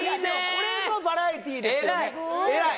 これぞバラエティですよね偉い！